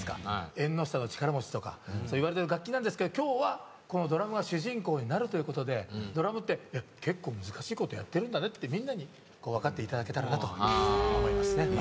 縁の下の力持ちとかいわれてる楽器なんですけど今日はこのドラムが主人公になるということでドラムって結構難しいことやってるんだねってみんなに分かっていただけたらなと思いますね。